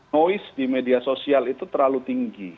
noise di media sosial itu terlalu tinggi